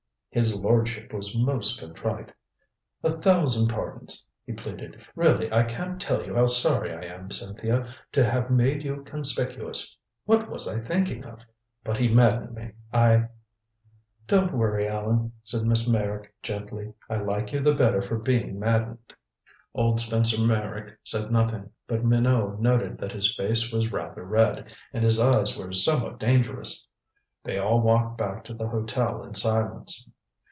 His lordship was most contrite. "A thousand pardons," he pleaded. "Really I can't tell you how sorry I am, Cynthia. To have made you conspicuous what was I thinking of? But he maddened me I " "Don't worry, Allan," said Miss Meyrick gently. "I like you the better for being maddened." Old Spencer Meyrick said nothing, but Minot noted that his face was rather red, and his eyes were somewhat dangerous. They all walked back to the hotel in silence.